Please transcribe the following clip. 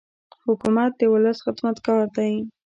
حکومت د ولس خدمتګار دی.